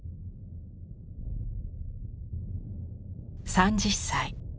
３０歳。